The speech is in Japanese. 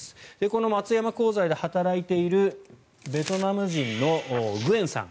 この松山鋼材で働いているベトナム人のグェンさん